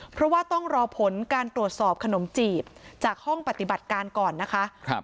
เพราะว่าต้องรอผลการตรวจสอบขนมจีบจากห้องปฏิบัติการก่อนนะคะ